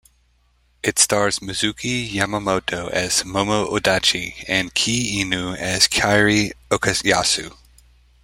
It stars Mizuki Yamamoto as Momo Adachi and Kei Inoo as Kairi Okayasu.